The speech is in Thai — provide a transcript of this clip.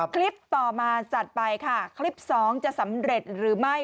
คลิปต่อมาจัดไปค่ะคลิปสองจะสำเร็จหรือไม่